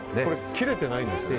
切れてないんですか？